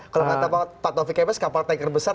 kalau nggak tahu pak taufik ebes kapal tanker besar